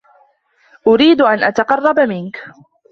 أريد أن أتقرّب منك.